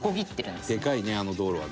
「でかいねあの道路はね」